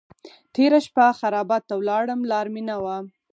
تېره شپه خرابات ته ولاړم لار مې نه وه.